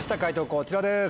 こちらです。